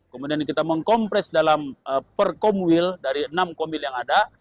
kemudian kita mengkompres dalam per komwil dari enam komil yang ada